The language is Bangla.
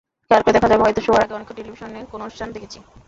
খেয়াল করলে দেখা যাবে, হয়তো শোয়ার আগে অনেকক্ষণ টেলিভিশনে কোনো অনুষ্ঠান দেখেছি।